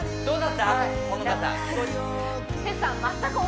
どうだった？